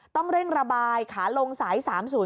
ต้องเร่งระบายขาลงสาย๓๐๔